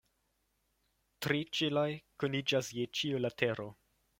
Tri ĉeloj kuniĝas je ĉiu latero.